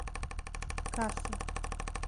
Cássia